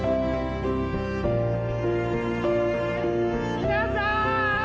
・皆さーん！